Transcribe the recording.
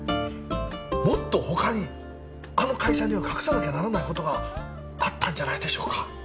もっとほかにあの会社には隠さなきゃならないことがあったんじゃないでしょうか？